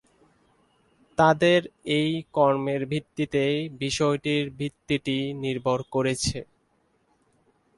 তাঁদের এই কর্মের ভিত্তিতেই বিষয়টির ভিত্তিটি নির্ভর করেছে।